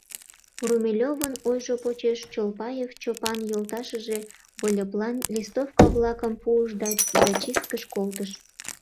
Румелёвын ойжо почеш Чолпаев Чопан йолташыже Выльыплан листовка-влакым пуыш да зачисткыш колтыш.